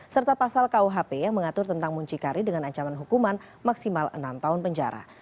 serta pasal kuhp yang mengatur tentang muncikari dengan ancaman hukuman maksimal enam tahun penjara